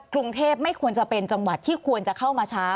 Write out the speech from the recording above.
กรุงเทพไม่ควรจะเป็นจังหวัดที่ควรจะเข้ามาช้า